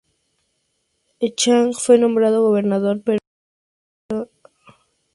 Echagüe fue nombrado gobernador, pero enseguida pasó el río Paraná.